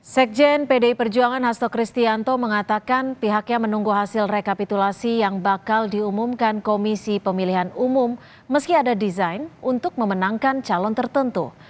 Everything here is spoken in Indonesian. sekjen pdi perjuangan hasto kristianto mengatakan pihaknya menunggu hasil rekapitulasi yang bakal diumumkan komisi pemilihan umum meski ada desain untuk memenangkan calon tertentu